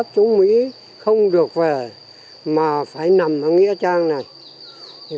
chúng mỹ không được về mà phải nằm ở nghĩa trang này